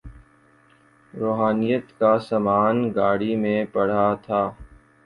روحانیت کا سامان گاڑی میں پڑا تھا۔